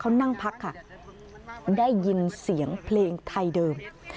เขานั่งพักค่ะได้ยินเสียงเพลงไทยเดิม